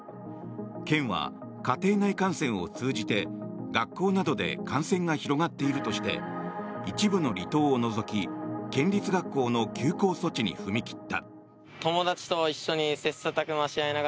県は、家庭内感染を通じて学校などで感染が広がっているとして一部の離島を除き県立学校の休校措置に踏み切った。